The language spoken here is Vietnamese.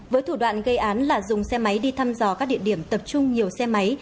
với thủ đoạn gây án là dùng xe máy đi thăm dò các địa điểm tập trung nhiều xe máy